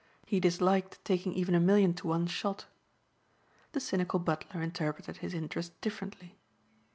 He disliked taking even a million to one shot. The cynical butler interpreted his interest differently.